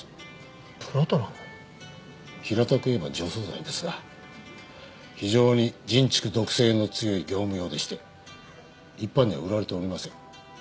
平たく言えば除草剤ですが非常に人畜毒性の強い業務用でして一般には売られておりません。